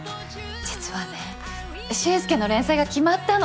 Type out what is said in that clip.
実はね周介の連載が決まったの。